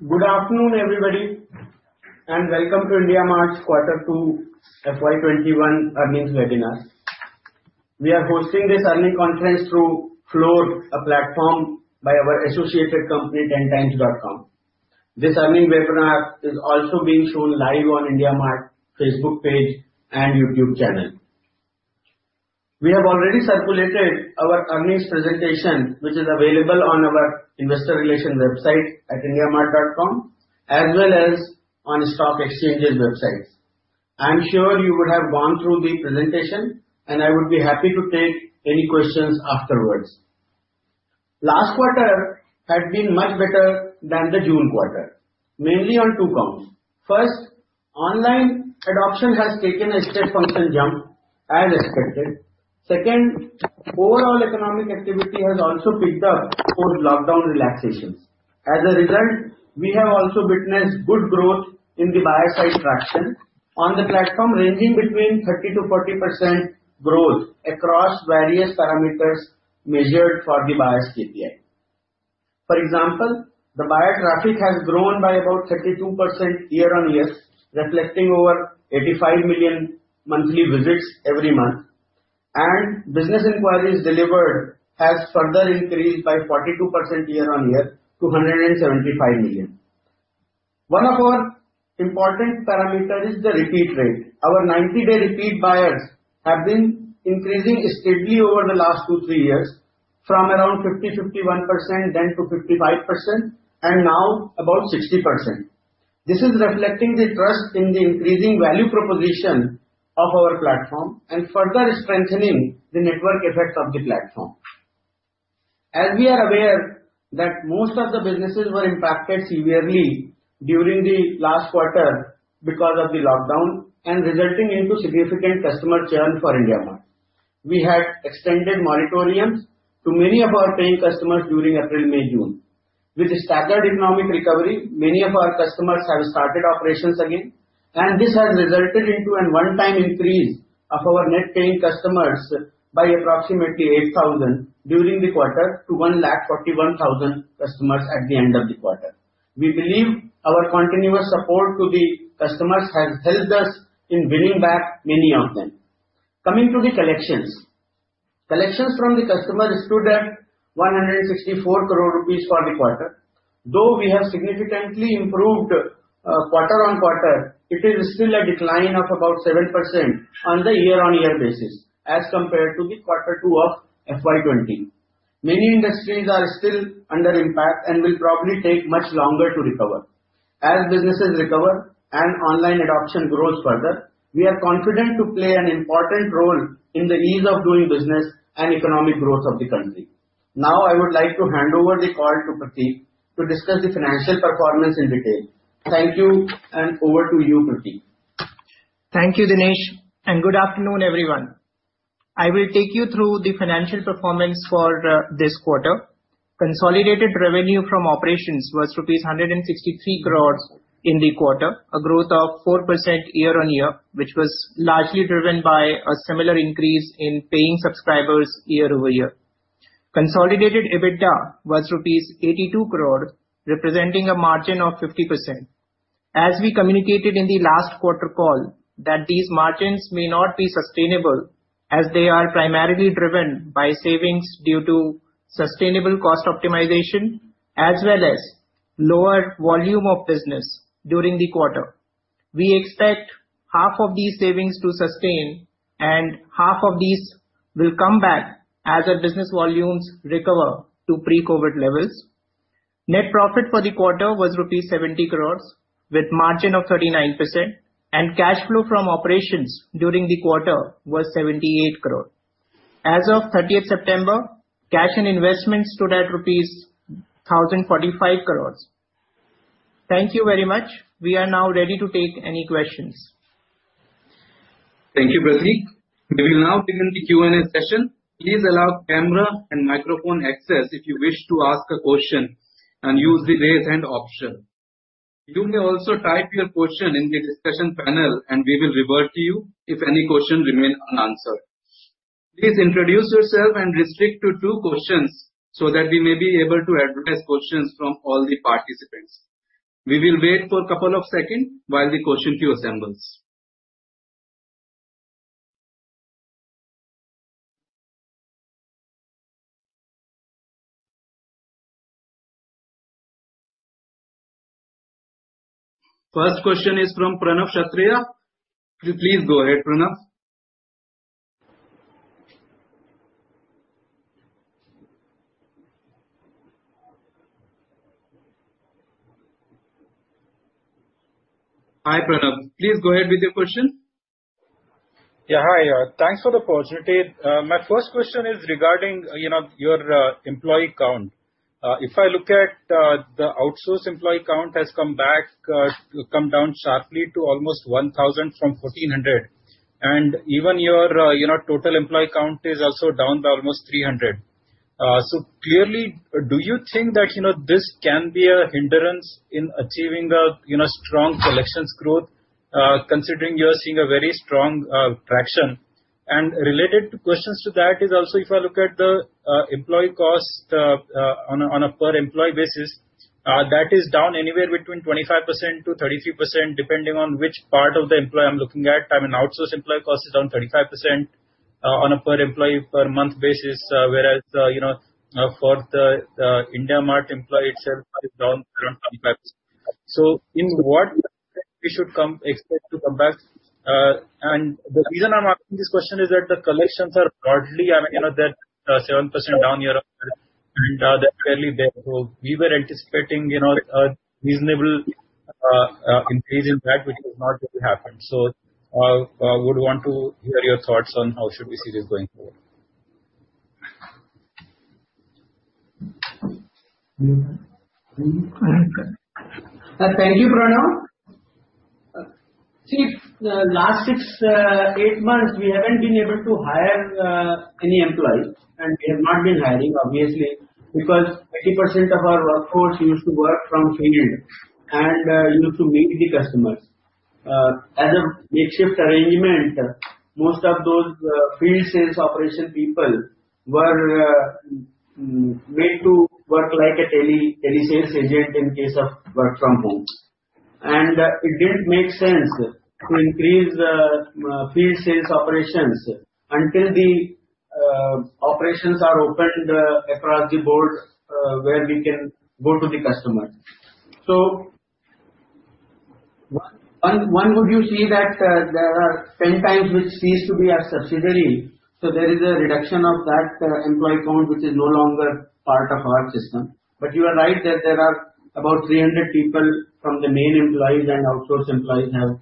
Good afternoon, everybody, welcome to IndiaMART's Quarter 2 FY 2021 Earnings Webinar. We are hosting this earning conference through FLOOR, a platform by our associated company, 10times.com. This earning webinar is also being shown live on IndiaMART Facebook page and YouTube channel. We have already circulated our earnings presentation, which is available on our investor relation website at indiamart.com, as well as on stock exchanges websites. I'm sure you would have gone through the presentation, I would be happy to take any questions afterwards. Last quarter had been much better than the June quarter, mainly on two counts. First, online adoption has taken a step function jump as expected. Second, overall economic activity has also picked up post-lockdown relaxations. As a result, we have also witnessed good growth in the buyer side traction on the platform, ranging between 30%-40% growth across various parameters measured for the buyers' KPI. For example, the buyer traffic has grown by about 32% year-on-year, reflecting over 85 million monthly visits every month, and business inquiries delivered has further increased by 42% year-on-year to 175 million. One of our important parameter is the repeat rate. Our 90-day repeat buyers have been increasing steadily over the last two, three years from around 50%, 51%, then to 55%, and now about 60%. This is reflecting the trust in the increasing value proposition of our platform and further strengthening the network effect of the platform. As we are aware that most of the businesses were impacted severely during the last quarter because of the lockdown, and resulting into significant customer churn for IndiaMART. We had extended moratoriums to many of our paying customers during April, May, June. With a staggered economic recovery, many of our customers have started operations again, and this has resulted into a one-time increase of our net paying customers by approximately 8,000 during the quarter to 141,000 customers at the end of the quarter. We believe our continuous support to the customers has helped us in winning back many of them. Coming to the collections. Collections from the customer stood at 164 crore rupees for the quarter. Though we have significantly improved quarter-on-quarter, it is still a decline of about 7% on the year-on-year basis as compared to the quarter two of FY 2020. Many industries are still under impact and will probably take much longer to recover. As businesses recover and online adoption grows further, we are confident to play an important role in the ease of doing business and economic growth of the country. Now, I would like to hand over the call to Prateek to discuss the financial performance in detail. Thank you, and over to you, Prateek. Thank you, Dinesh, and good afternoon, everyone. I will take you through the financial performance for this quarter. Consolidated revenue from operations was rupees 163 crores in the quarter, a growth of 4% year-on-year, which was largely driven by a similar increase in paying subscribers year-over-year. Consolidated EBITDA was 82 crore rupees, representing a margin of 50%. As we communicated in the last quarter call, that these margins may not be sustainable as they are primarily driven by savings due to sustainable cost optimization as well as lower volume of business during the quarter. We expect half of these savings to sustain and half of these will come back as our business volumes recover to pre-COVID levels. Net profit for the quarter was INR 70 crores with margin of 39%, and cash flow from operations during the quarter was 78 crore. As of 30th September, cash and investments stood at rupees 1,045 crores. Thank you very much. We are now ready to take any questions. Thank you, Prateek. We will now begin the Q&A session. Please allow camera and microphone access if you wish to ask a question, and use the raise hand option. You may also type your question in the discussion panel and we will revert to you if any question remain unanswered. Please introduce yourself and restrict to two questions so that we may be able to address questions from all the participants. We will wait for a couple of second while the question queue assembles. First question is from Pranav Kshatriya. Please go ahead, Pranav. Hi, Pranav. Please go ahead with your question. Yeah. Hi. Thanks for the opportunity. My first question is regarding your employee count. If I look at the outsource employee count has come down sharply to almost 1,000 from 1,400. Even your total employee count is also down by almost 300. Clearly, do you think that this can be a hindrance in achieving a strong collections growth, considering you're seeing a very strong traction? Related questions to that is also if I look at the employee cost on a per employee basis, that is down anywhere between 25% to 33%, depending on which part of the employee I'm looking at. I mean, outsource employee cost is down 35% on a per employee per month basis, whereas, for the IndiaMART employee itself, it is down around 25%. In what we should expect to come back? The reason I'm asking this question is that the collections are broadly, they're 7% down year-over-year, and they're barely there. We were anticipating a reasonable increase in that, which has not really happened. I would want to hear your thoughts on how should we see this going forward. Thank you, Pranav. Last six, eight months, we haven't been able to hire any employees. We have not been hiring, obviously, because 80% of our workforce used to work from field and used to meet the customers. As a makeshift arrangement, most of those field sales operation people were made to work like a telesales agent in case of work from home. It didn't make sense to increase field sales operations until the operations are opened across the board, where we can go to the customer. One would you see that there are 10times which cease to be our subsidiary, so there is a reduction of that employee count, which is no longer part of our system. You are right that there are about 300 people from the main employees and outsource employees have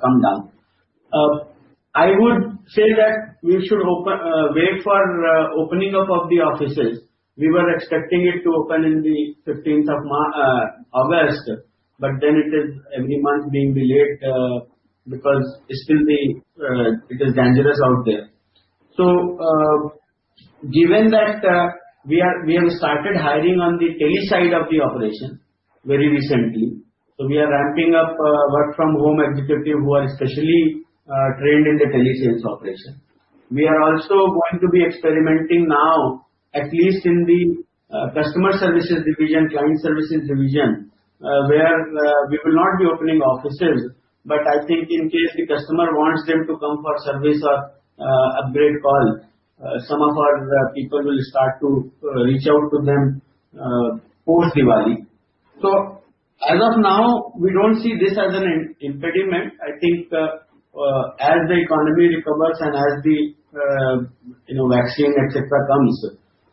come down. I would say that we should wait for opening up of the offices. We were expecting it to open in the 15th of August, it is every month being delayed because still it is dangerous out there. Given that we have started hiring on the tele side of the operation very recently. We are ramping up work from home executive who are specially trained in the telesales operation. We are also going to be experimenting now, at least in the customer services division, client services division, where we will not be opening offices, but I think in case the customer wants them to come for service or upgrade call, some of our people will start to reach out to them post-Diwali. As of now, we don't see this as an impediment. I think as the economy recovers and as the vaccine, et cetera, comes,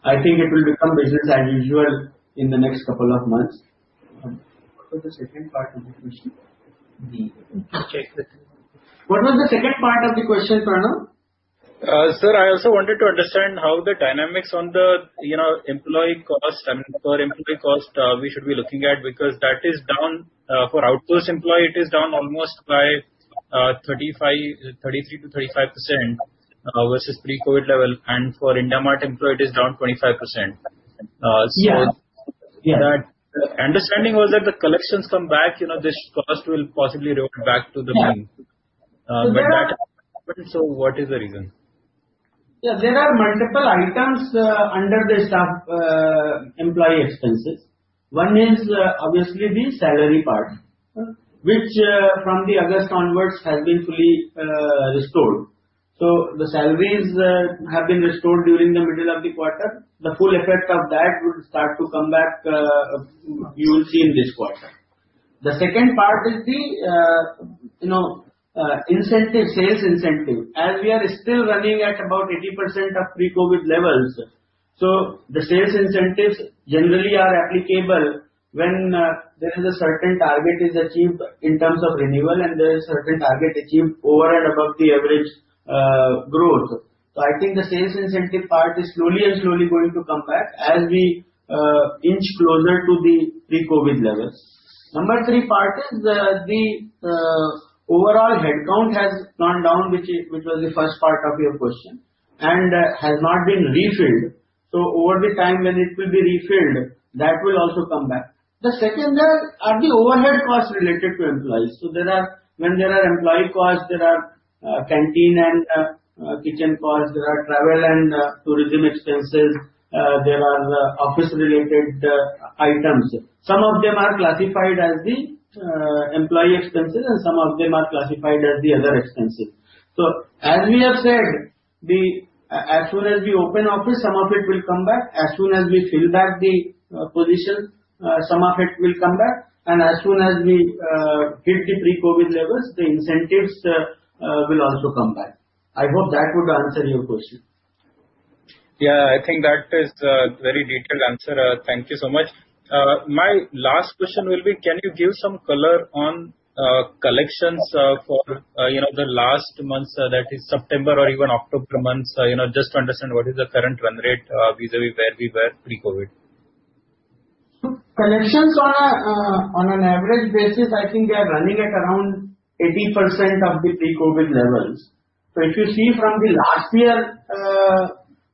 I think it will become business as usual in the next couple of months. What was the second part of the question? What was the second part of the question, Pranav? Sir, I also wanted to understand how the dynamics on the employee cost, I mean, per employee cost we should be looking at, because that is down. For outsourced employee, it is down almost by 33%-35% versus pre-COVID level. For IndiaMART employee, it is down 25%. Yeah. The understanding was that the collections come back, this cost will possibly revert back to the mean. Yeah. That happened, so what is the reason? There are multiple items under the staff employee expenses. One is obviously the salary part, which from August onwards has been fully restored. The salaries have been restored during the middle of the quarter. The full effect of that would start to come back, you will see in this quarter. The second part is the sales incentive, as we are still running at about 80% of pre-COVID levels. The sales incentives generally are applicable when there is a certain target is achieved in terms of renewal and there is certain target achieved over and above the average growth. I think the sales incentive part is slowly going to come back as we inch closer to the pre-COVID levels. Number three part is the overall headcount has gone down, which was the first part of your question, and has not been refilled. Over the time when it will be refilled, that will also come back. The second are the overhead costs related to employees. When there are employee costs, there are canteen and kitchen costs, there are travel and tourism expenses, there are office-related items. Some of them are classified as the employee expenses, and some of them are classified as the other expenses. As we have said, as soon as we open office, some of it will come back. As soon as we fill back the position, some of it will come back. As soon as we hit the pre-COVID levels, the incentives will also come back. I hope that would answer your question. Yeah, I think that is a very detailed answer. Thank you so much. My last question will be, can you give some color on collections for the last months, that is September or even October months, just to understand what is the current run rate vis-à-vis where we were pre-COVID? Collections on an average basis, I think we are running at around 80% of the pre-COVID levels. If you see from the last year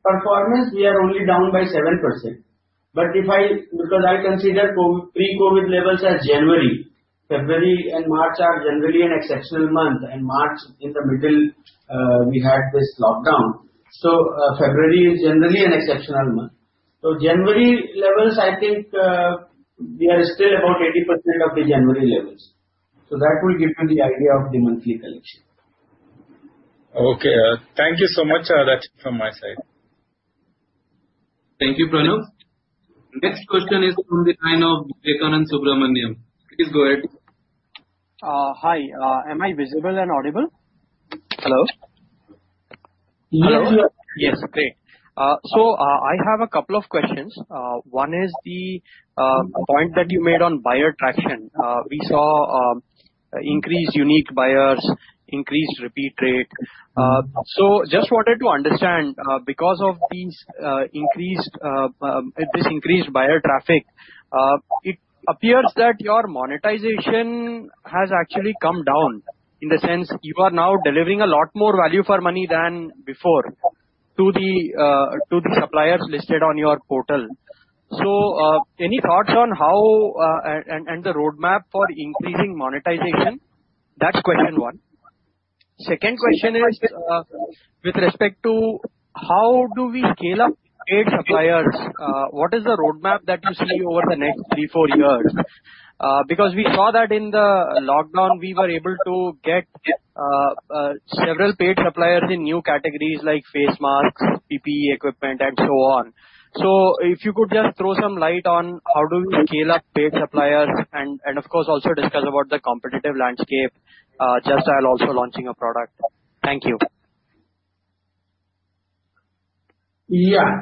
performance, we are only down by 7%. Because I consider pre-COVID levels as January, February and March are generally an exceptional month, and March in the middle, we had this lockdown. February is generally an exceptional month. January levels, I think, we are still about 80% of the January levels. That will give you the idea of the monthly collection. Okay. Thank you so much. That's it from my side. Thank you, Pranav. Next question is from the line of Vivekanand Subbaraman. Please go ahead. Hi. Am I visible and audible? Hello? Yes, you are. Yes. Great. I have a couple of questions. One is the point that you made on buyer traction. We saw increased unique buyers, increased repeat rate. Just wanted to understand, because of this increased buyer traffic, it appears that your monetization has actually come down, in the sense you are now delivering a lot more value for money than before to the suppliers listed on your portal. Any thoughts on how, and the roadmap for increasing monetization? That's question one. Second question is, with respect to how do we scale up paid suppliers? What is the roadmap that you see over the next three, four years? Because we saw that in the lockdown, we were able to get several paid suppliers in new categories like face masks, PPE equipment, and so on. If you could just throw some light on how do we scale up paid suppliers and, of course, also discuss about the competitive landscape, just while also launching a product. Thank you. Let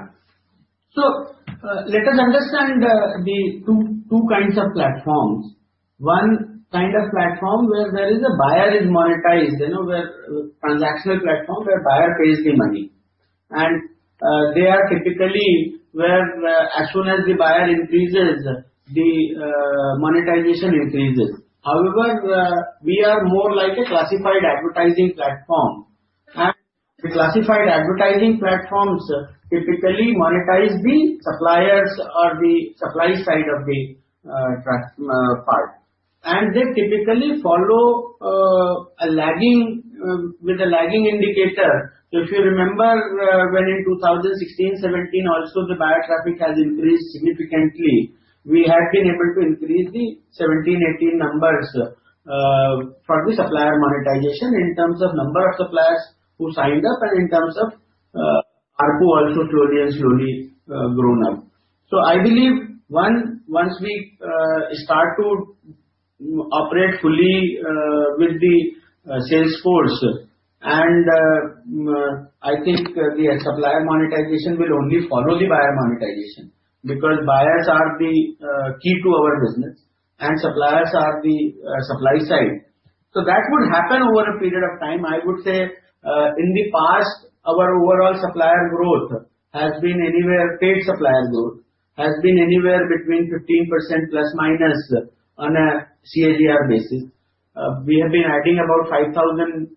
us understand the two kinds of platforms. One kind of platform where there is a buyer is monetized, where transactional platform, where buyer pays the money. They are typically where, as soon as the buyer increases, the monetization increases. However, we are more like a classified advertising platform, and the classified advertising platforms typically monetize the suppliers or the supply side of the part. They typically follow with a lagging indicator. If you remember, when in 2016, 2017 also the buyer traffic has increased significantly, we had been able to increase the 2017, 2018 numbers, from the supplier monetization in terms of number of suppliers who signed up and in terms of ARPU also slowly and slowly grown up. I believe once we start to operate fully with the sales force and I think the supplier monetization will only follow the buyer monetization because buyers are the key to our business and suppliers are the supply side. That would happen over a period of time. I would say, in the past, our overall supplier growth, paid supplier growth, has been anywhere between 15% plus/minus on a CAGR basis. We have been adding about 5,000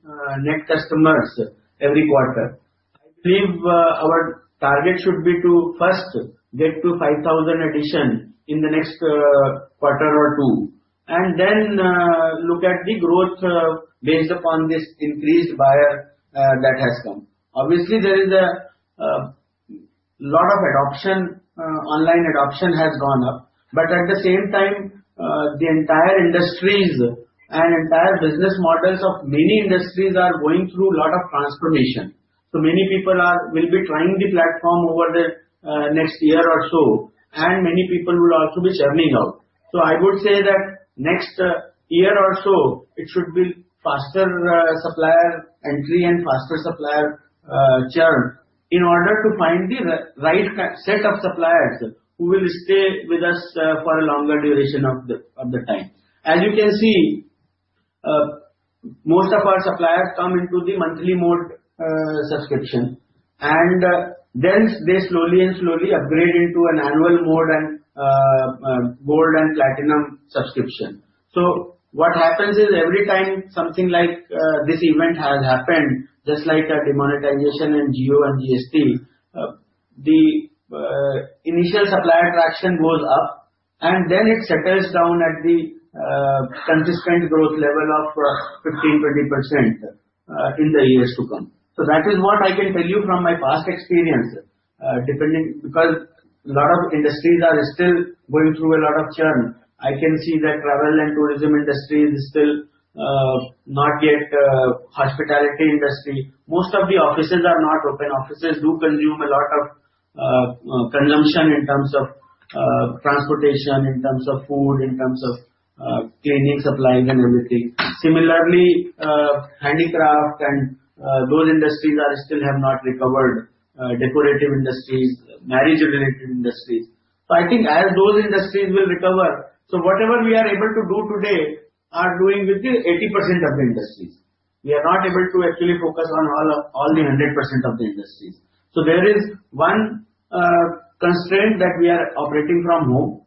net customers every quarter. I believe our target should be to first get to 5,000 addition in the next quarter or two and then look at the growth based upon this increased buyer that has come. Obviously, there is a lot of online adoption has gone up. At the same time, the entire industries and entire business models of many industries are going through a lot of transformation. Many people will be trying the platform over the next year or so, and many people will also be churning out. I would say that next year or so, it should be faster supplier entry and faster supplier churn in order to find the right set of suppliers who will stay with us for a longer duration of the time. As you can see, most of our suppliers come into the monthly mode subscription, and then they slowly upgrade into an annual mode and gold and platinum subscription. What happens is, every time something like this event has happened, just like the demonetization and Jio and GST, the initial supplier traction goes up, and then it settles down at the consistent growth level of 15%, 20% in the years to come. that is what I can tell you from my past experience, because a lot of industries are still going through a lot of churn. I can see that travel and tourism industry is still not yet, hospitality industry. Most of the offices are not open. Offices do consume a lot of consumption in terms of transportation, in terms of food, in terms of cleaning supplies and everything. Similarly, handicraft and those industries still have not recovered. Decorative industries, marriage-related industries. I think as those industries will recover, so whatever we are able to do today are doing with the 80% of the industries. We are not able to actually focus on all the 100% of the industries. there is one constraint that we are operating from home,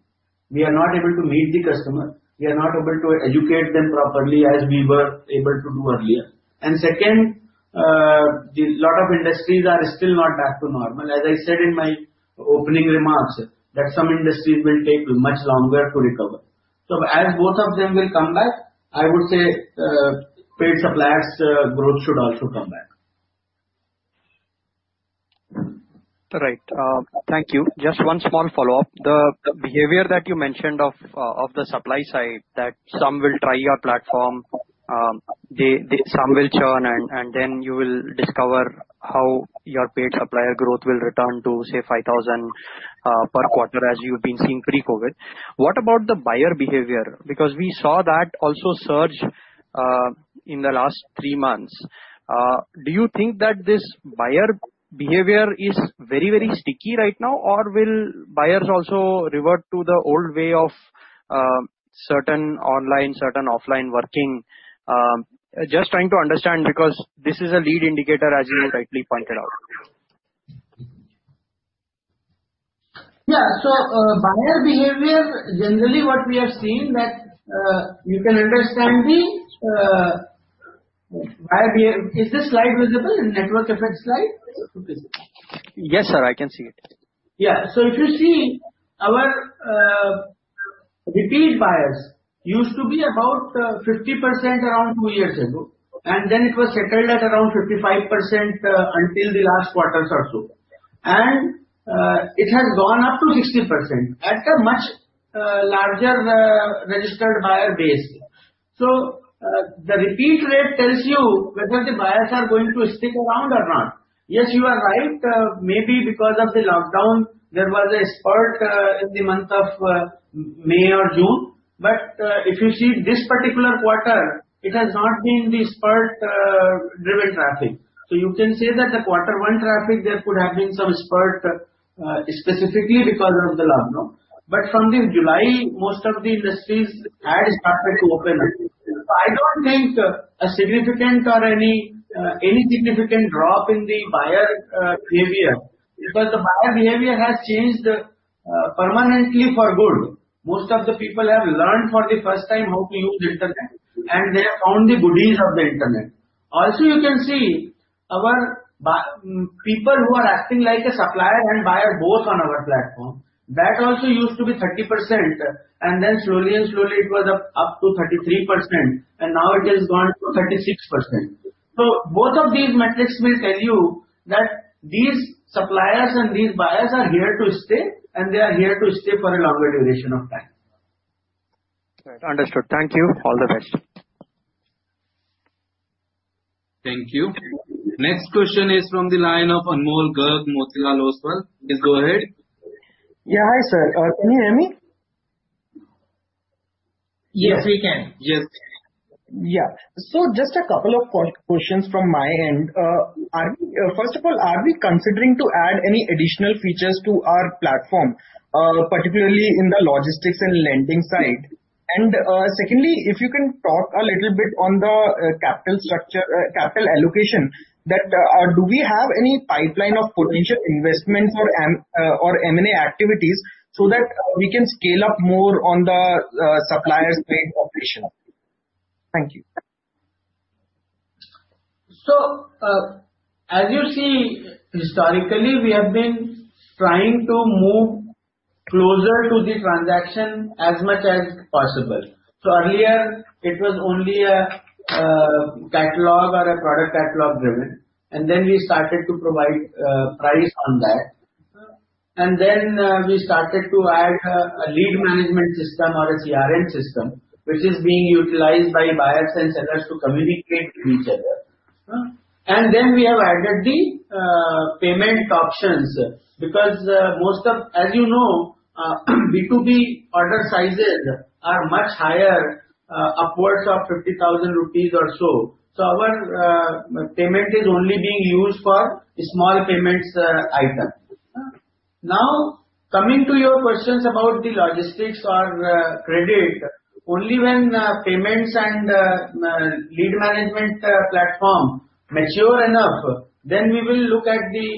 we are not able to meet the customer, we are not able to educate them properly as we were able to do earlier. second, a lot of industries are still not back to normal. As I said in my opening remarks, that some industries will take much longer to recover. as both of them will come back, I would say paid suppliers growth should also come back. Right. Thank you. Just one small follow-up. The behavior that you mentioned of the supply side, that some will try your platform, some will churn, and then you will discover how your paid supplier growth will return to, say, 5,000 per quarter as you've been seeing pre-COVID. What about the buyer behavior? Because we saw that also surge in the last three months. Do you think that this buyer behavior is very, very sticky right now, or will buyers also revert to the old way of certain online, certain offline working? Just trying to understand, because this is a lead indicator, as you rightly pointed out. Yeah. Buyer behavior, generally what we have seen, that you can understand the buyer behavior. Is this slide visible? The network effects slide. Yes, sir. I can see it. Yeah. If you see, our repeat buyers used to be about 50% around two years ago, and then it was settled at around 55% until the last quarter or so. It has gone up to 60% at a much larger registered buyer base. The repeat rate tells you whether the buyers are going to stick around or not. Yes, you are right. Maybe because of the lockdown, there was a spurt in the month of May or June. If you see this particular quarter, it has not been the spurt-driven traffic. You can say that the quarter one traffic, there could have been some spurt, specifically because of the lockdown. From the July, most of the industries had started to open up. I don't think any significant drop in the buyer behavior, because the buyer behavior has changed permanently for good. Most of the people have learned for the first time how to use internet, and they have found the goodies of the internet. Also, you can see our people who are acting like a supplier and buyer both on our platform. That also used to be 30%, and then slowly and slowly it was up to 33%, and now it has gone to 36%. both of these metrics will tell you that these suppliers and these buyers are here to stay, and they are here to stay for a longer duration of time. Right. Understood. Thank you. All the best. Thank you. Next question is from the line of Anmol Garg, Motilal Oswal. Please go ahead. Yeah. Hi, sir. Can you hear me? Yes, we can. Yes. Yeah. Just a couple of questions from my end. First of all, are we considering to add any additional features to our platform, particularly in the logistics and lending side? Secondly, if you can talk a little bit on the capital allocation, that do we have any pipeline of potential investment or M&A activities so that we can scale up more on the suppliers paid operation? Thank you. As you see, historically, we have been trying to move closer to the transaction as much as possible. Earlier it was only a catalog or a product catalog-driven, and then we started to provide price on that. We started to add a lead management system or a CRM system, which is being utilized by buyers and sellers to communicate with each other. We have added the payment options, because as you know, B2B order sizes are much higher, upwards of 50,000 rupees or so. Our payment is only being used for small payments item. Now, coming to your questions about the logistics or credit, only when payments and lead management platform mature enough, then we will look at the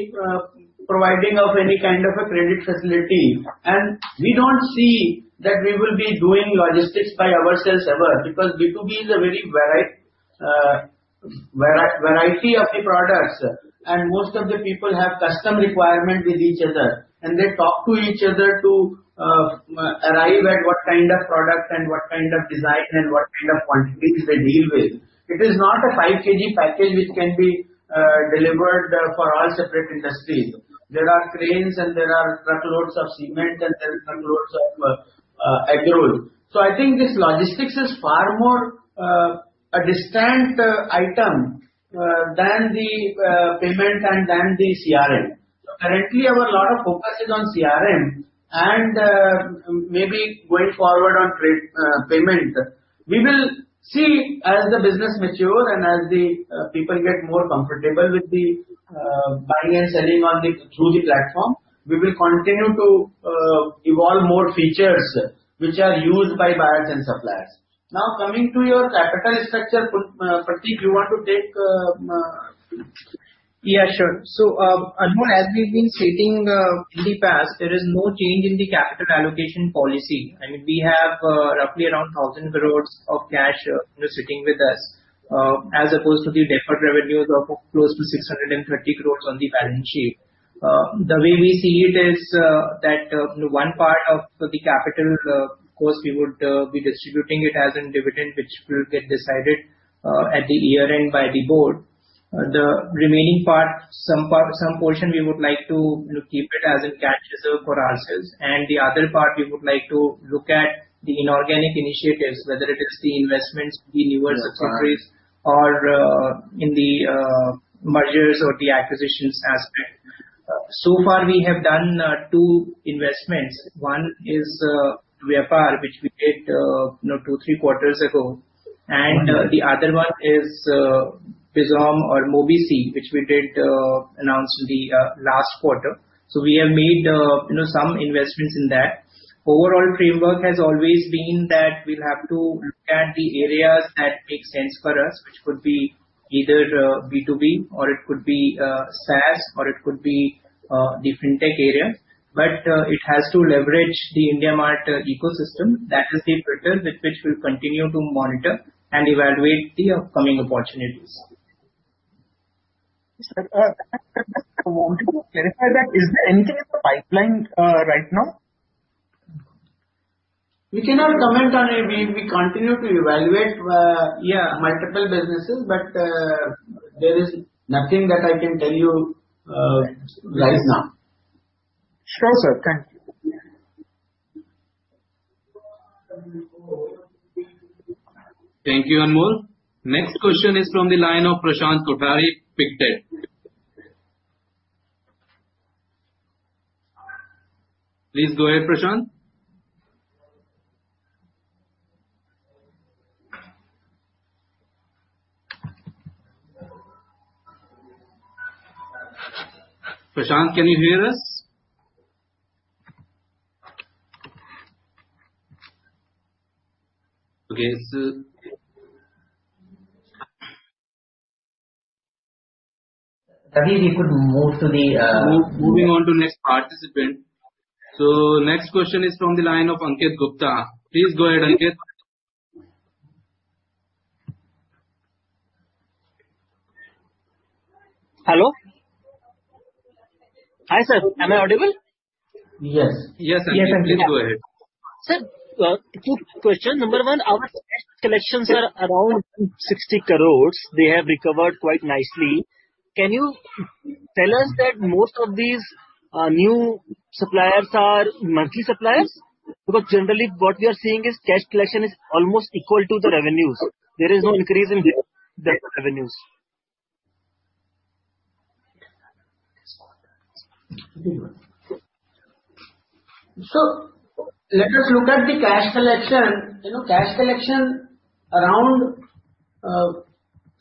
providing of any kind of a credit facility. We don't see that we will be doing logistics by ourselves ever, because B2B is a very variety of the products, and most of the people have custom requirement with each other, and they talk to each other to arrive at what kind of product and what kind of design and what kind of quantities they deal with. It is not a 5kg package which can be delivered for all separate industries. There are cranes and there are truckloads of cement and there are truckloads of agro. I think this logistics is far more a distant item than the payment and than the CRM. Currently, our lot of focus is on CRM and maybe going forward on payment. We will see as the business matures and as the people get more comfortable with the buying and selling through the platform, we will continue to evolve more features which are used by buyers and suppliers. Now coming to your capital structure, Prateek, you want to take, Yeah, sure. Anmol, as we've been stating in the past, there is no change in the capital allocation policy. I mean, we have roughly around 1,000 crores of cash sitting with us, as opposed to the deferred revenues of close to 630 crores on the balance sheet. The way we see it is that one part of the capital, of course, we would be distributing it as a dividend, which will get decided at the year-end by the board. The remaining part, some portion we would like to keep it as a cash reserve for ourselves, and the other part, we would like to look at the inorganic initiatives, whether it is the investments in newer subsidiaries or in the mergers or the acquisitions aspect. So far, we have done two investments. One is Vyapar, which we did two, three quarters ago, and the other one is Bizom or Mobisy, which we did announce the last quarter. We have made some investments in that. Overall framework has always been that we'll have to look at the areas that make sense for us, which could be either B2B or it could be SaaS or it could be the fintech area. It has to leverage the IndiaMART ecosystem. That is the filter with which we'll continue to monitor and evaluate the upcoming opportunities. Sir, I wanted to clarify that, is there anything in the pipeline right now? We cannot comment on it. We continue to evaluate, yeah, multiple businesses, but there is nothing that I can tell you right now. Sure, sir. Thank you. Yeah. Thank you, Anmol. Next question is from the line of Prashant Kothari, Pictet. Please go ahead, Prashant. Prashant, can you hear us? Okay. Maybe we could move to the, Moving on to next participant. Next question is from the line of Ankit Gupta. Please go ahead, Ankit. Hello. Hi, sir. Am I audible? Yes. Yes, Ankit. Please go ahead. Sir, two questions. Number one, our collections are around 60 crore. They have recovered quite nicely. Can you tell us that most of these new suppliers are monthly suppliers? Because generally what we are seeing is cash collection is almost equal to the revenues. There is no increase in the revenues. Let us look at the cash collection. Around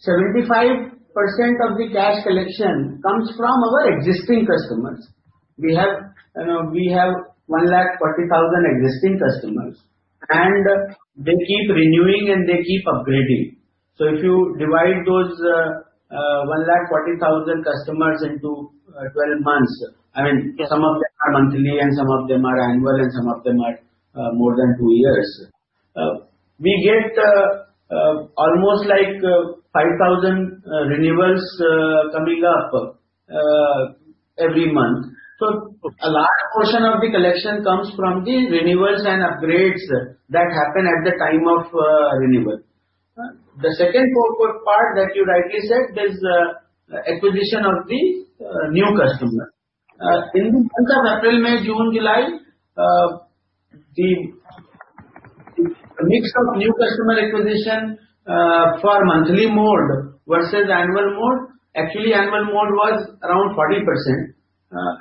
75% of the cash collection comes from our existing customers. We have 140,000 existing customers, and they keep renewing and they keep upgrading. If you divide those 140,000 customers into 12 months, I mean, some of them are monthly and some of them are annual and some of them are more than two years. We get almost 5,000 renewals coming up every month. A large portion of the collection comes from the renewals and upgrades that happen at the time of renewal. The second part that you rightly said is acquisition of the new customer. In the months of April, May, June, July, the mix of new customer acquisition for monthly mode versus annual mode, actually annual mode was around 40%,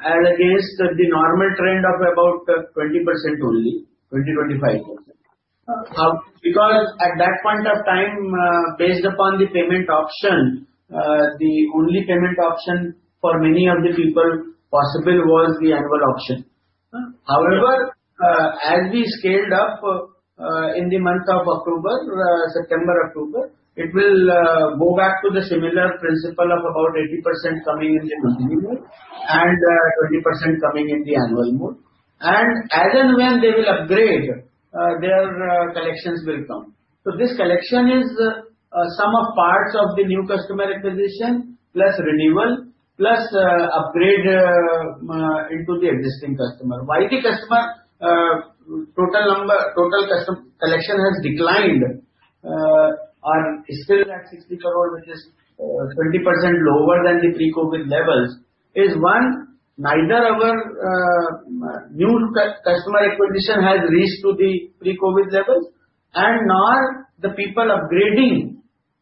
as against the normal trend of about 20% only, 20, 25%. Because at that point of time, based upon the payment option, the only payment option for many of the people possible was the annual option. However, as we scaled up in the month of October, September, October, it will go back to the similar principle of about 80% coming in the monthly mode and 20% coming in the annual mode. As and when they will upgrade, their collections will come. This collection is sum of parts of the new customer acquisition, plus renewal, plus upgrade into the existing customer. Why the total collection has declined and still at 60 crore, which is 20% lower than the pre-COVID levels is one, neither our new customer acquisition has reached to the pre-COVID levels and nor the people upgrading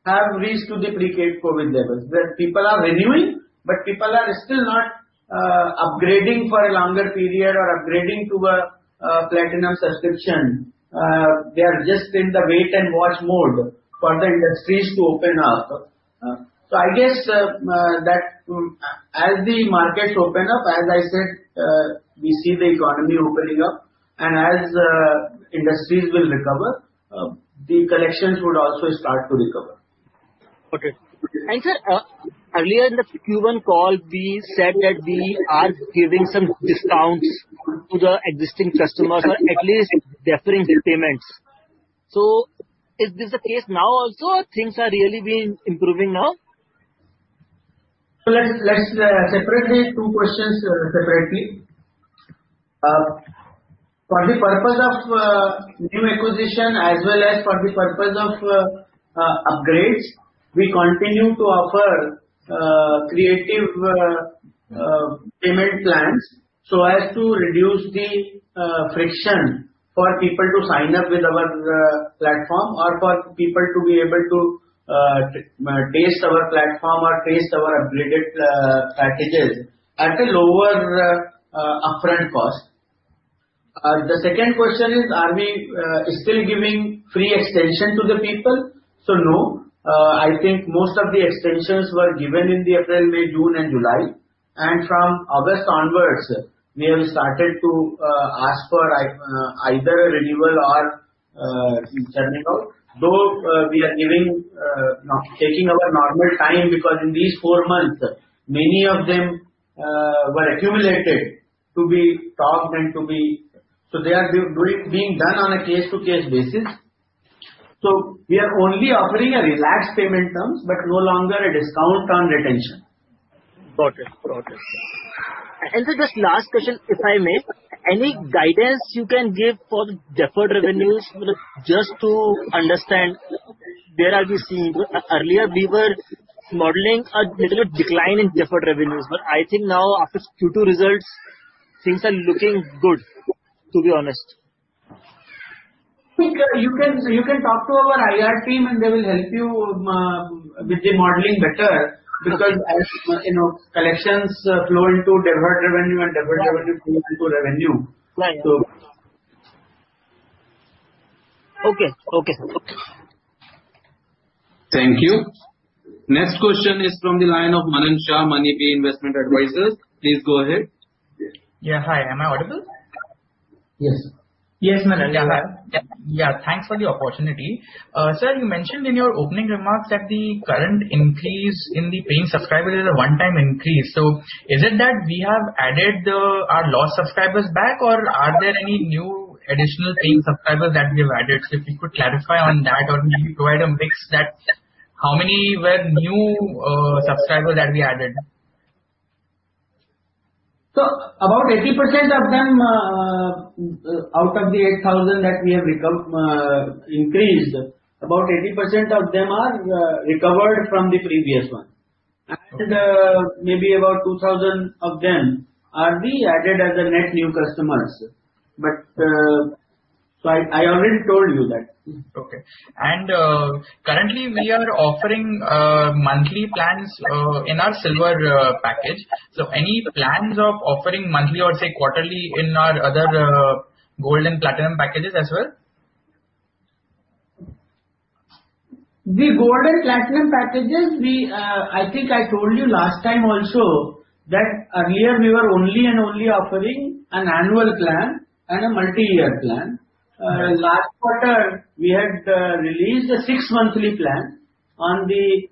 have reached to the pre-COVID levels, where people are renewing, but people are still not upgrading for a longer period or upgrading to a platinum subscription. They are just in the wait and watch mode for the industries to open up. I guess that as the markets open up, as I said, we see the economy opening up, and as industries will recover, the collections would also start to recover. Okay. Sir, earlier in the Q1 call, we said that we are giving some discounts to the existing customers or at least deferring the payments. Is this the case now also? Things are really being improving now? let's separate the two questions separately. For the purpose of new acquisition as well as for the purpose of upgrades, we continue to offer creative payment plans so as to reduce the friction for people to sign up with our platform or for people to be able to taste our platform or taste our upgraded packages at a lower upfront cost. The second question is, are we still giving free extension to the people? No. I think most of the extensions were given in the April, May, June and July. From August onwards, we have started to ask for either a renewal or churning out. Though we are taking our normal time because in these four months, many of them were accumulated to be talked and to be they are being done on a case to case basis. we are only offering a relaxed payment terms, but no longer a discount on retention. Got it. Sir, just last question, if I may. Any guidance you can give for the deferred revenues, just to understand where are we seeing. Earlier we were modeling a little decline in deferred revenues. I think now after Q2 results, things are looking good, to be honest. You can talk to our IR team, and they will help you with the modeling better because as collections flow into deferred revenue and deferred revenue flow into revenue. Right. Okay. Thank you. Next question is from the line of Manan Shah, Moneybee Investment Advisors. Please go ahead. Yeah. Hi. Am I audible? Yes. Yes, Manan, go ahead. Yeah. Thanks for the opportunity. Sir, you mentioned in your opening remarks that the current increase in the paying subscribers is a one time increase. Is it that we have added our lost subscribers back, or are there any new additional paying subscribers that we have added? If you could clarify on that or maybe provide a mix that how many were new subscribers that we added. about 80% of them, out of the 8,000 that we have increased, about 80% of them are recovered from the previous one. Okay. maybe about 2,000 of them are then added as a net new customers. I already told you that. Okay. currently we are offering monthly plans in our silver package. any plans of offering monthly or say quarterly in our other gold and platinum packages as well? The gold and platinum packages, I think I told you last time also that earlier we were only and only offering an annual plan and a multi-year plan. Okay. Last quarter, we had released a six monthly plan on the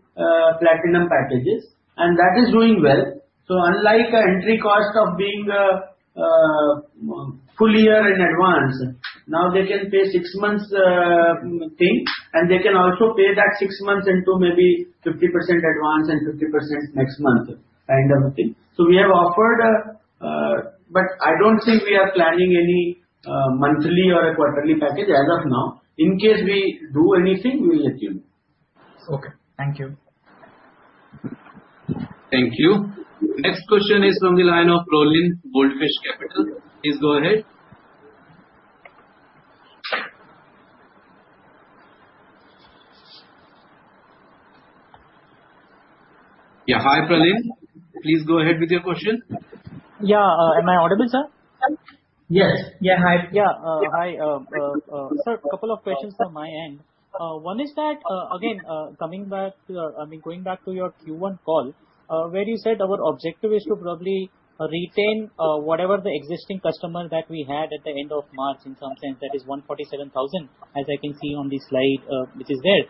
platinum packages, and that is doing well. Unlike an entry cost of being a full year in advance, now they can pay six months thing, and they can also pay that six months into maybe 50% advance and 50% next month kind of a thing. We have offered, but I don't think we are planning any monthly or a quarterly package as of now. In case we do anything, we will let you know. Okay. Thank you. Thank you. Next question is from the line of Pralin, Goldfish Capital. Please go ahead. Yeah, hi, Pralin. Please go ahead with your question. Yeah. Am I audible, sir? Yes. Yeah. Hi. Yeah. Hi. Sir, couple of questions from my end. One is that, again, going back to your Q1 call, where you said our objective is to probably retain whatever the existing customer that we had at the end of March in some sense, that is 147,000, as I can see on the slide which is there.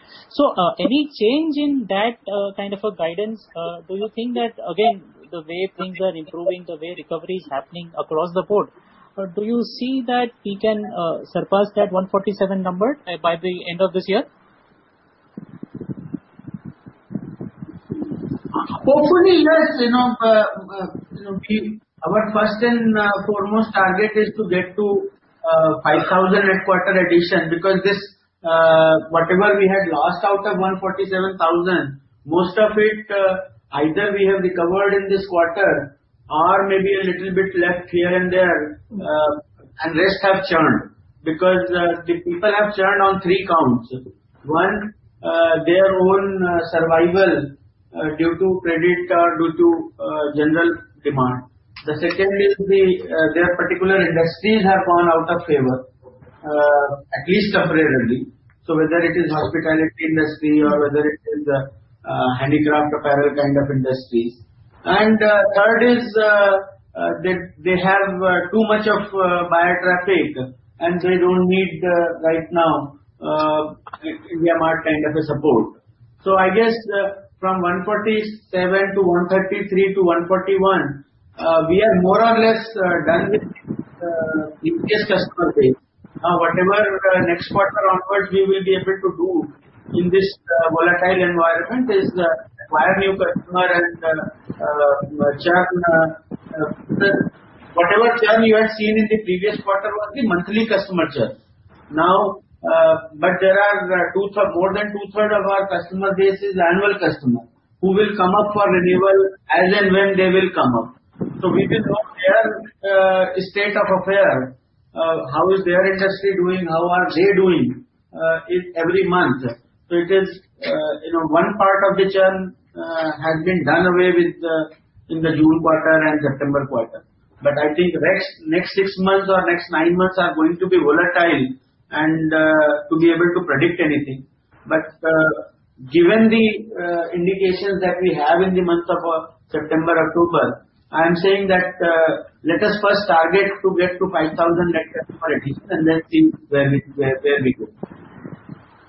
Any change in that kind of a guidance? Do you think that, again, the way things are improving, the way recovery is happening across the board, do you see that we can surpass that 147 number by the end of this year? Hopefully, yes. Our first and foremost target is to get to 5,000 at quarter addition because whatever we had lost out of 147,000, most of it either we have recovered in this quarter or maybe a little bit left here and there, and rest have churned. Because the people have churned on three counts. One, their own survival due to credit or due to general demand. The second is their particular industries have gone out of favor. At least temporarily. Whether it is hospitality industry or whether it is the handicraft apparel kind of industries. Third is, they have too much of buyer traffic, and they don't need, right now, IndiaMART kind of a support. I guess from 147 to 133 to 141, we are more or less done with the existing customer base. Whatever next quarter onwards we will be able to do in this volatile environment is acquire new customer and churn. Whatever churn you had seen in the previous quarter was the monthly customer churn. There are more than two-thirds of our customer base is annual customer, who will come up for renewal as and when they will come up. We will know their state of affairs, how is their industry doing, how are they doing every month. It is one part of the churn has been done away with in the June quarter and September quarter. I think next six months or next nine months are going to be volatile, and to be able to predict anything. Given the indications that we have in the month of September, October, I am saying that let us first target to get to 5,000 net customer addition, and then see where we go.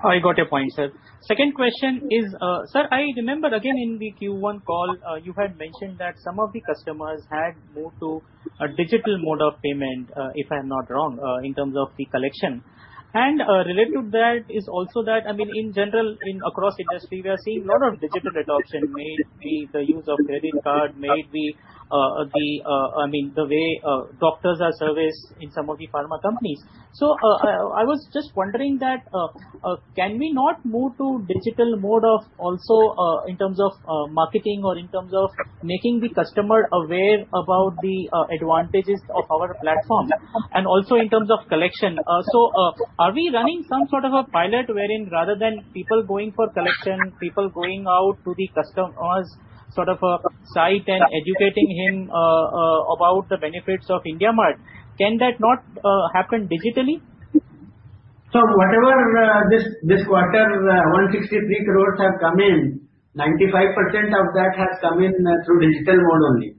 I got your point, sir. Second question is, sir, I remember again in the Q1 call, you had mentioned that some of the customers had moved to a digital mode of payment, if I'm not wrong, in terms of the collection. Related to that is also that, in general, across industry, we are seeing a lot of digital adoption, may it be the use of credit card, may it be the way doctors are serviced in some of the pharma companies. I was just wondering that, can we not move to digital mode of also in terms of marketing or in terms of making the customer aware about the advantages of our platform and also in terms of collection? Are we running some sort of a pilot wherein rather than people going for collection, people going out to the customer's site and educating him about the benefits of IndiaMART? Can that not happen digitally? whatever this quarter, 163 crores have come in, 95% of that has come in through digital mode only.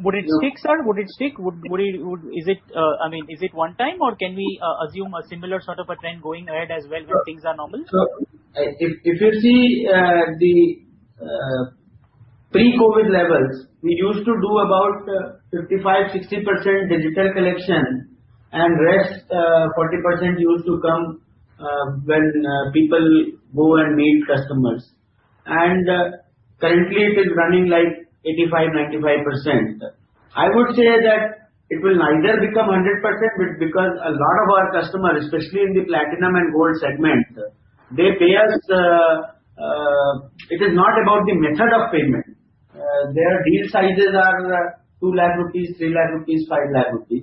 Would it stick, sir? Would it stick? Is it one time, or can we assume a similar sort of a trend going ahead as well when things are normal? If you see the pre-COVID levels, we used to do about 55%-60% digital collection, and rest 40% used to come when people go and meet customers. Currently it is running like 85-95%. I would say that it will neither become a 100% because a lot of our customers, especially in the platinum and gold segment, they pay us. It is not about the method of payment. Their deal sizes are 200,000 rupees, 300,000 rupees, 500,000 rupees.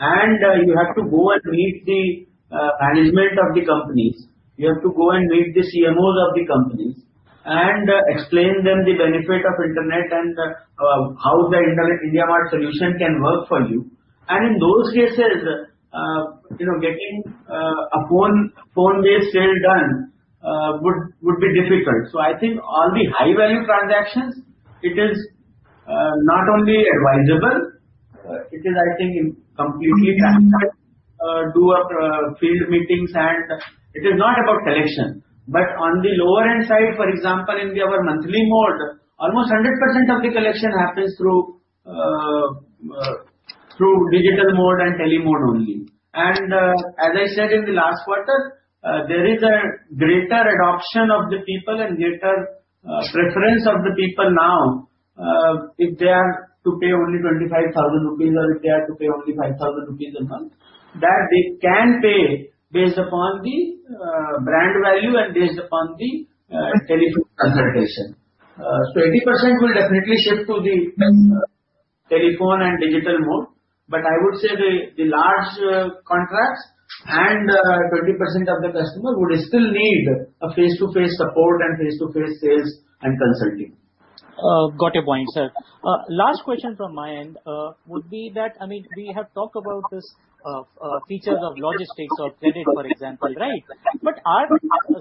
You have to go and meet the management of the companies. You have to go and meet the CMOs of the companies and explain them the benefit of internet and how the Internet IndiaMART solution can work for you. In those cases, getting a phone-based sale done would be difficult. I think on the high-value transactions, it is not only advisable, it is, I think, completely practical to have field meetings, and it is not about collection. On the lower end side, for example, in our monthly mode, almost 100% of the collection happens through digital mode and tele mode only. As I said in the last quarter, there is a greater adoption of the people and greater preference of the people now, if they are to pay only 25,000 rupees or if they are to pay only 5,000 rupees a month, that they can pay based upon the brand value and based upon the telephone consultation. Eighty percent will definitely shift to the telephone and digital mode, but I would say the large contracts and 20% of the customer would still need a face-to-face support and face-to-face sales and consulting. Got your point, sir. Last question from my end would be that, we have talked about this features of logistics or credit, for example, right? Are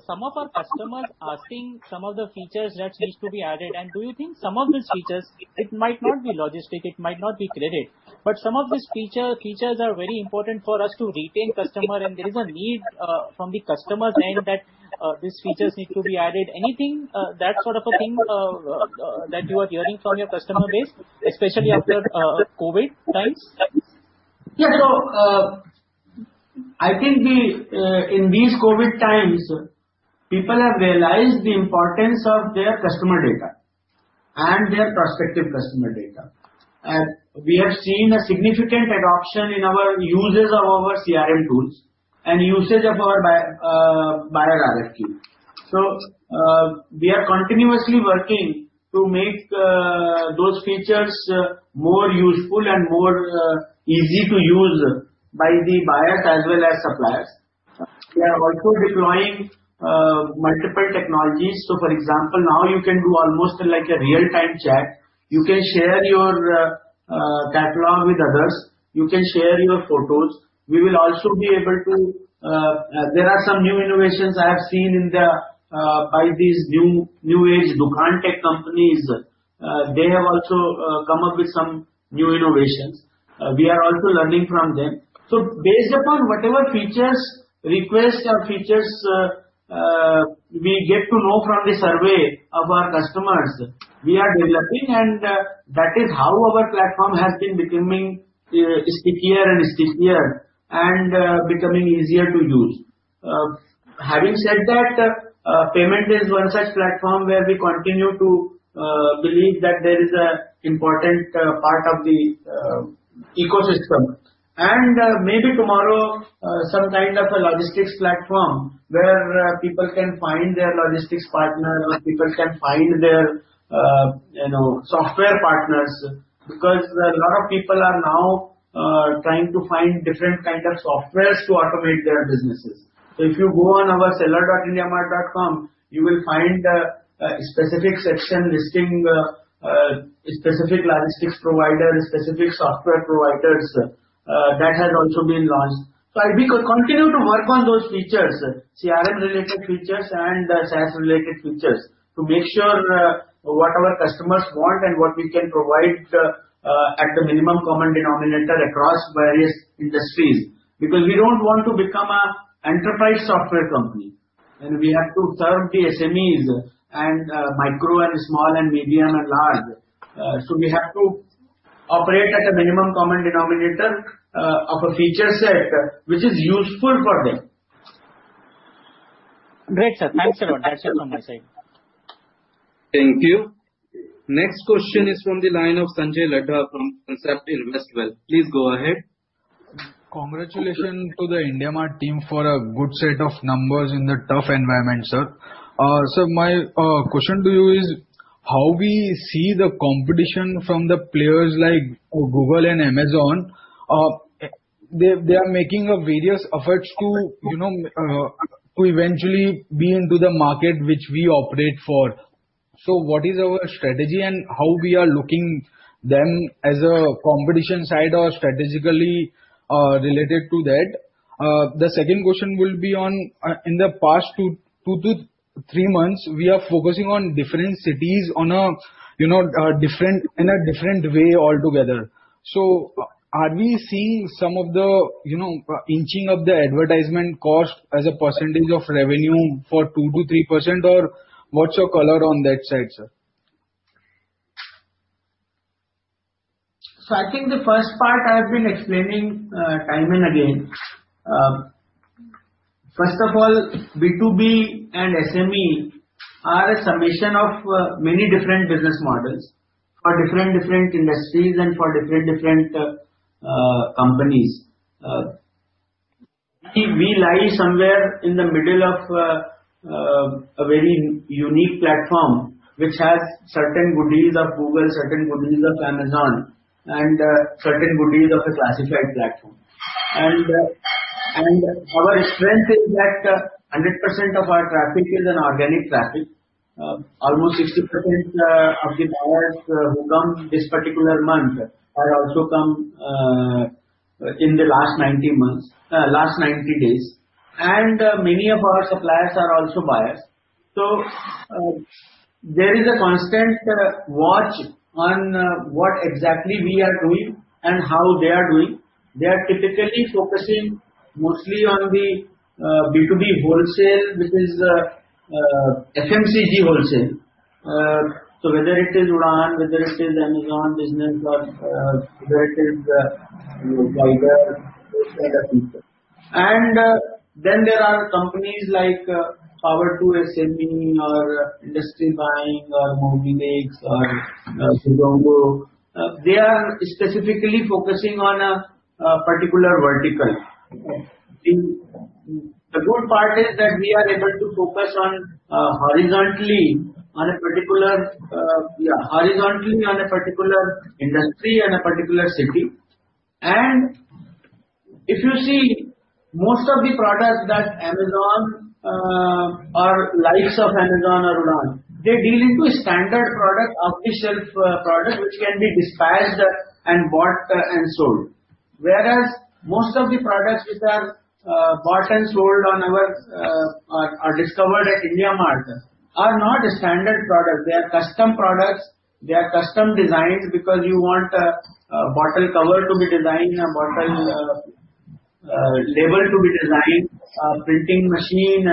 some of our customers asking some of the features that needs to be added? Do you think some of these features, it might not be logistic, it might not be credit, but some of these features are very important for us to retain customer and there is a need from the customer's end that these features need to be added. Anything, that sort of a thing that you are hearing from your customer base, especially after COVID times? Yeah. I think in these COVID times, people have realized the importance of their customer data and their prospective customer data. We have seen a significant adoption in our uses of our CRM tools and usage of our buyer directory. We are continuously working to make those features more useful and more easy to use by the buyers as well as suppliers. We are also deploying multiple technologies. For example, now you can do almost like a real-time chat. You can share your catalog with others. You can share your photos. There are some new innovations I have seen by these new age Dukaan tech companies. They have also come up with some new innovations. We are also learning from them. Based upon whatever features, requests or features we get to know from the survey of our customers, we are developing, and that is how our platform has been becoming stickier and stickier and becoming easier to use. Having said that, payment is one such platform where we continue to believe that there is important part of the ecosystem. Maybe tomorrow, some kind of a logistics platform where people can find their logistics partner or people can find their software partners, because a lot of people are now trying to find different kind of softwares to automate their businesses. If you go on our seller.indiamart.com, you will find a specific section listing specific logistics provider, specific software providers, that has also been launched. We continue to work on those features, CRM related features and SaaS related features, to make sure what our customers want and what we can provide at the minimum common denominator across various industries. Because we don't want to become an enterprise software company, and we have to serve the SMEs and micro and small and medium and large. We have to operate at a minimum common denominator of a feature set which is useful for them. Great, sir. Thanks a lot. That's it from my side. Thank you. Next question is from the line of Sanjay Ladha from Concept Invest Wealth. Please go ahead. Congratulations to the IndiaMART team for a good set of numbers in the tough environment, sir. Sir, my question to you is, how we see the competition from the players like Google and Amazon? They are making various efforts to eventually be into the market which we operate for. What is our strategy, and how we are looking them as a competition side or strategically related to that? The second question will be on, in the past two to three months, we are focusing on different cities in a different way altogether. Are we seeing some of the inching of the advertisement cost as a percentage of revenue for 2% to 3%? What's your color on that side, sir? I think the first part I have been explaining time and again. First of all, B2B and SME are a summation of many different business models for different industries and for different companies. We lie somewhere in the middle of a very unique platform, which has certain goodies of Google, certain goodies of Amazon, and certain goodies of a classified platform. Our strength is that 100% of our traffic is an organic traffic. Almost 60% of the buyers who come this particular month have also come in the last 90 days, and many of our suppliers are also buyers. There is a constant watch on what exactly we are doing and how they are doing. They are typically focusing mostly on the B2B wholesale, which is FMCG wholesale. Whether it is Udaan, whether it is Amazon Business or whether it is Wydr, those kind of people. There are companies like Power2SME or IndustryBuying or Moglix or Zoho. The good part is that we are able to focus horizontally on a particular industry and a particular city. If you see most of the products that Amazon or likes of Amazon or Udaan, they deal into a standard product, off-the-shelf product, which can be dispatched and bought and sold. Whereas most of the products which are bought and sold or discovered at IndiaMART are not a standard product. They are custom products. They are custom designed because you want a bottle cover to be designed, a bottle label to be designed, a printing machine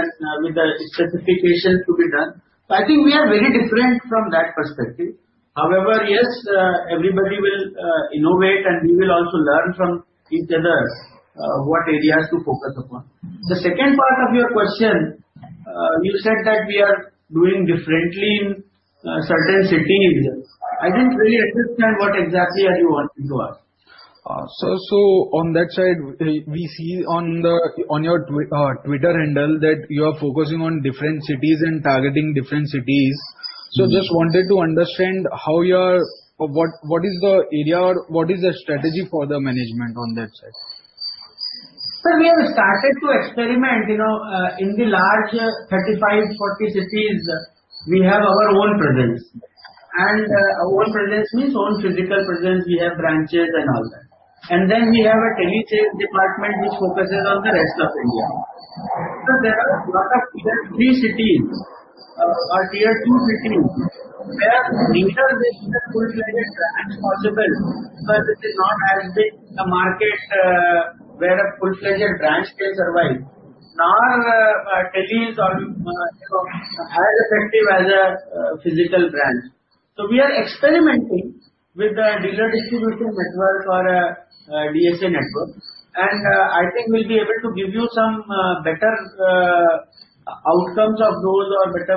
with a specification to be done. I think we are very different from that perspective. yes, everybody will innovate, and we will also learn from each other what areas to focus upon. The second part of your question, you said that we are doing differently in certain cities. I didn't really understand what exactly are you wanting to ask. Sir, on that side, we see on your Twitter handle that you are focusing on different cities and targeting different cities. Just wanted to understand what is the area or what is the strategy for the management on that side? Sir, we have started to experiment. In the large 35, 40 cities, we have our own presence. Our own presence means own physical presence. We have branches and all that. We have a tele sales department which focuses on the rest of India. There are a lot of Tier 3 cities or Tier 2 cities where neither is it a full-fledged branch possible, but it is not as big a market where a full-fledged branch can survive, nor tele is as effective as a physical branch. We are experimenting with the dealer distribution network or DSA network, and I think we'll be able to give you some better outcomes of those or better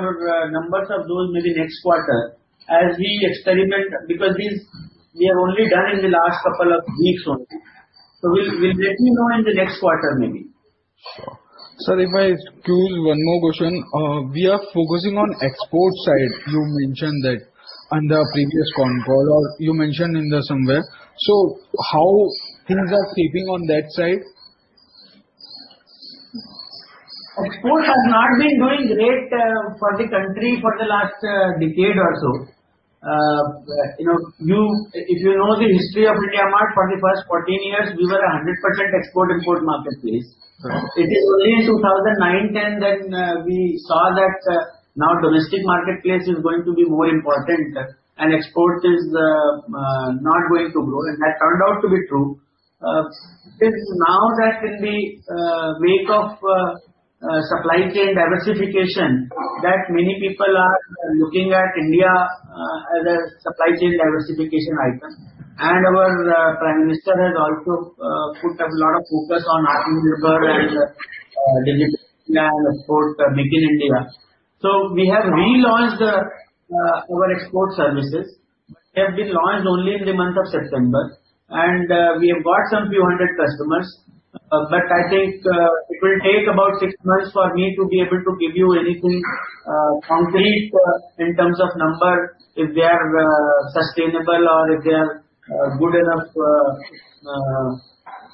numbers of those maybe next quarter as we experiment, because these we have only done in the last couple of weeks only. We'll let you know in the next quarter, maybe. Sure. Sir, if I squeeze one more question. We are focusing on export side, you mentioned that on the previous con call, or you mentioned in there somewhere. How things are shaping on that side? Exports has not been doing great for the country for the last decade or so. If you know the history of IndiaMART, for the first 14 years, we were a 100% export-import marketplace. Right. It is only 2009-10 that we saw that now domestic marketplace is going to be more important and export is not going to grow, and that turned out to be true. Since now that in the wake of supply chain diversification, that many people are looking at India as a supply chain diversification item, and our Prime Minister has also put a lot of focus on Atmanirbhar and Digital India and export Make in India. We have relaunched our export services. They have been launched only in the month of September, and we have got some few hundred customers, but I think it will take about six months for me to be able to give you anything concrete in terms of number, if they are sustainable or if they are good enough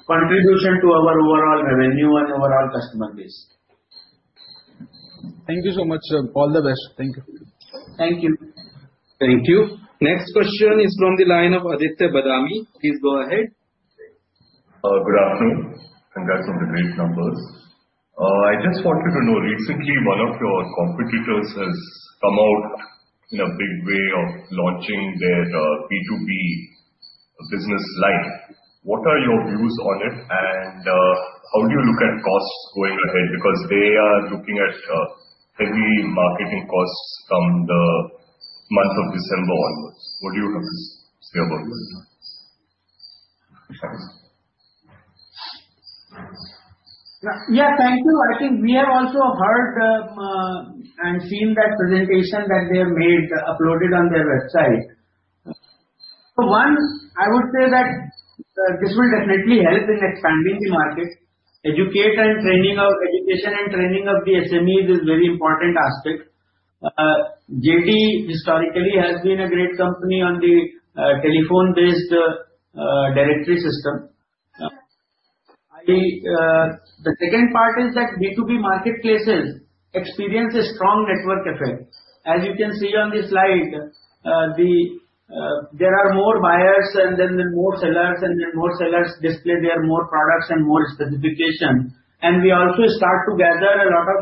contribution to our overall revenue and overall customer base. Thank you so much. All the best. Thank you. Thank you. Thank you. Next question is from the line of Aditya Badami. Please go ahead. Good afternoon. Congrats on the great numbers. I just wanted to know, recently, one of your competitors has come out in a big way of launching their B2B business line. What are your views on it, and how do you look at costs going ahead? Because they are looking at heavy marketing costs from the month of December onwards. What do you have to say about that? Yeah, thank you. I think we have also heard and seen that presentation that they have made, uploaded on their website. One, I would say that this will definitely help in expanding the market. Education and training of the SMEs is very important aspect. JustDial historically has been a great company on the telephone-based directory system. The second part is that B2B marketplaces experience a strong network effect. As you can see on the slide, there are more buyers and then the more sellers, and then more sellers display their more products and more specification. We also start to gather a lot of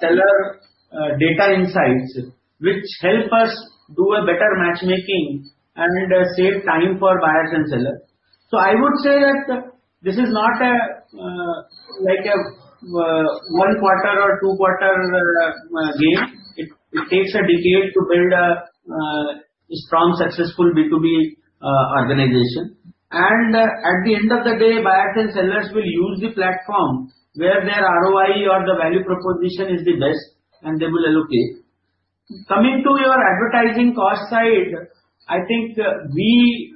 seller data insights, which help us do a better matchmaking and save time for buyers and seller. I would say that this is not like a one quarter or two quarter game. It takes a decade to build a strong, successful B2B organization. At the end of the day, buyers and sellers will use the platform where their ROI or the value proposition is the best, and they will allocate. Coming to your advertising cost side, I think we,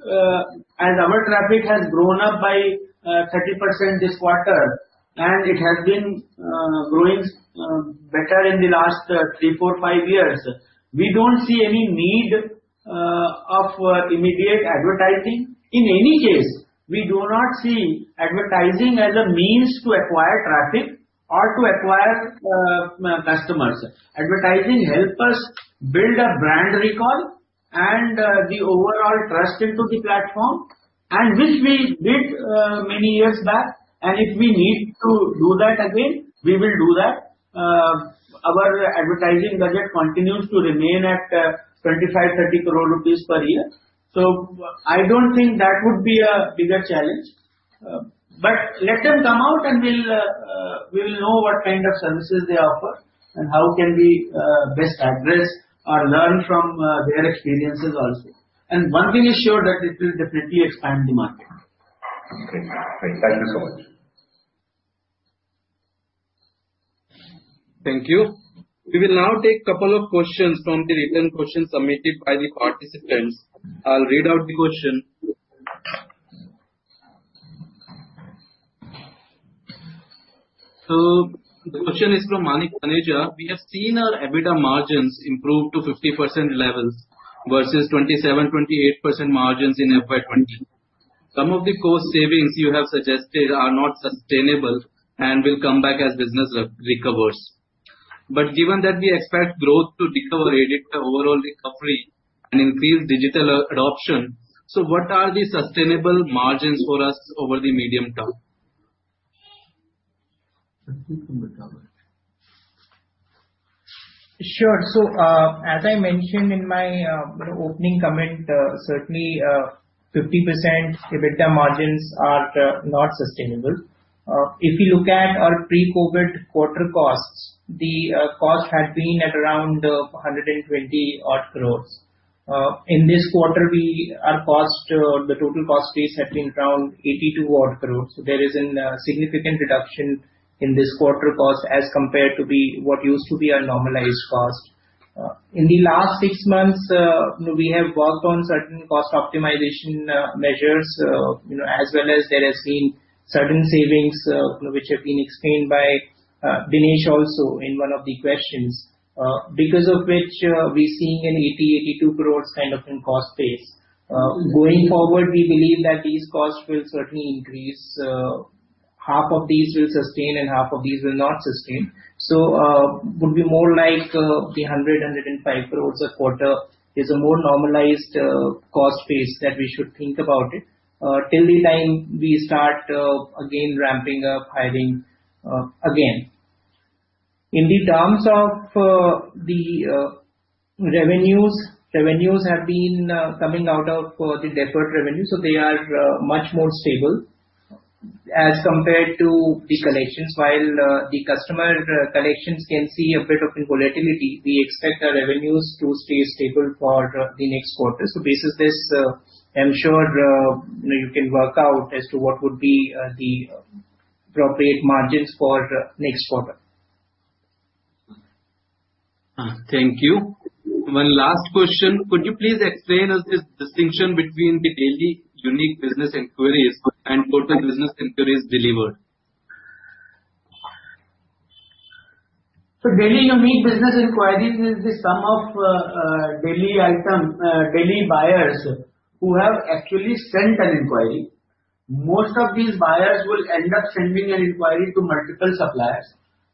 as our traffic has grown up by 30% this quarter, and it has been growing better in the last three, four, five years, we don't see any need of immediate advertising. In any case, we do not see advertising as a means to acquire traffic or to acquire customers. Advertising help us build a brand recall and the overall trust into the platform. Which we did many years back, and if we need to do that again, we will do that. Our advertising budget continues to remain at 25-30 crore rupees per year. I don't think that would be a bigger challenge. Let them come out and we will know what kind of services they offer and how can we best address or learn from their experiences also. One thing is sure that it will definitely expand the market. Okay, great. Thank you so much. Thank you. We will now take couple of questions from the written questions submitted by the participants. I'll read out the question. The question is from Manik Taneja. We have seen our EBITDA margins improve to 50% levels versus 27%, 28% margins in FY 2020. Some of the cost savings you have suggested are not sustainable and will come back as business recovers. Given that we expect growth to recover ahead of overall recovery and increase digital adoption, what are the sustainable margins for us over the medium term? Sure. As I mentioned in my opening comment, certainly 50% EBITDA margins are not sustainable. If you look at our pre-COVID quarter costs, the cost had been at around 120 odd crores. In this quarter, the total cost base have been around 82 odd crores. There is a significant reduction in this quarter cost as compared to what used to be our normalized cost. In the last six months, we have worked on certain cost optimization measures, as well as there has been certain savings which have been explained by Dinesh also in one of the questions, because of which we're seeing an 82 crores kind of in cost base. Going forward, we believe that these costs will certainly increase. Half of these will sustain and half of these will not sustain. Would be more like the 100- 105 crores a quarter is a more normalized cost base that we should think about it, until the time we start again ramping up hiring again. In terms of the revenues have been coming out of the deferred revenue, so they are much more stable as compared to the collections. While the customer collections can see a bit of a volatility, we expect our revenues to stay stable for the next quarter. Based on this, I'm sure you can work out as to what would be the appropriate margins for next quarter. Thank you. One last question. Could you please explain us this distinction between the daily unique business inquiries and total business inquiries delivered? Daily unique business inquiries is the sum of daily buyers who have actually sent an inquiry. Most of these buyers will end up sending an inquiry to multiple suppliers,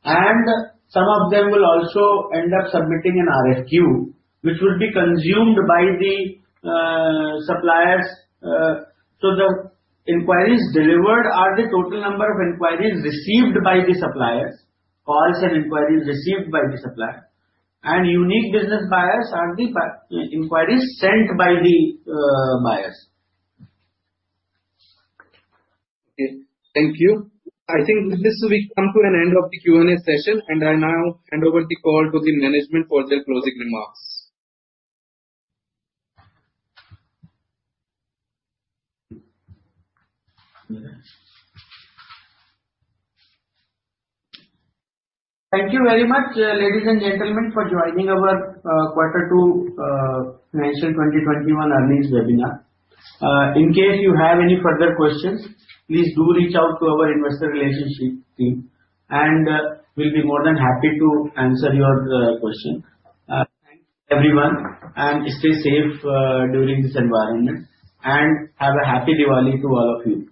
and some of them will also end up submitting an RFQ, which will be consumed by the suppliers. The inquiries delivered are the total number of inquiries received by the suppliers. Calls and inquiries received by the supplier. Unique business buyers are the inquiries sent by the buyers. Okay. Thank you. I think with this we come to an end of the Q&A session. I now hand over the call to the management for their closing remarks. Thank you very much, ladies and gentlemen, for joining our Quarter 2 FY 2021 earnings webinar. In case you have any further questions, please do reach out to our investor relations team, and we'll be more than happy to answer your question. Thank you, everyone, and stay safe during this environment. Have a happy Diwali to all of you.